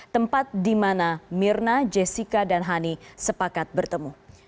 tempat di mana mirna jessica dan hani sepakat bertemu